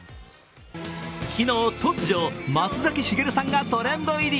昨日突如、松崎しげるさんがトレンド入り。